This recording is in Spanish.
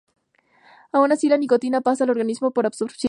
Aun así la nicotina pasa al organismo por absorción.